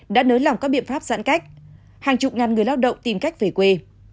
đã nới lỏng các biện pháp giãn cách hàng chục ngàn người lao động tìm cách về quê